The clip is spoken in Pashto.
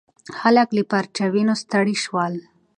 خلک له پرچاوینو ستړي شول.